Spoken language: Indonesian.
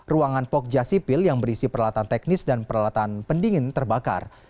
ruangan pogja sipil yang berisi peralatan teknis dan peralatan pendingin terbakar